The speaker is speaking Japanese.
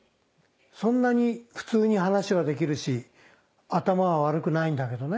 そんなに普通に話はできるし頭は悪くないんだけどね。